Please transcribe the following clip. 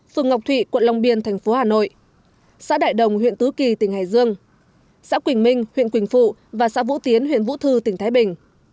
phường ngọc thụy quận long biên thành phố hà nội xã đại đồng huyện tứ kỳ tỉnh hải dương xã quỳnh minh huyện quỳnh phụ và xã vũ tiến huyện vũ thư tỉnh thái bình